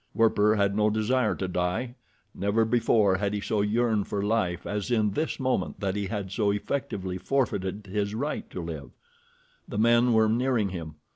Werper had no desire to die. Never before had he so yearned for life as in this moment that he had so effectively forfeited his right to live. The men were nearing him.